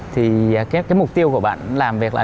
thì cái mục tiêu của bạn làm việc là